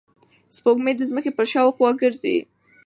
سپوږمۍ د ځمکې په شاوخوا ګرځي.